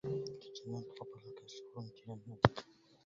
تجنت فقال الكاشحون تجنت